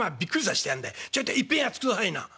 ちょいといっぺんやっつくださいな」。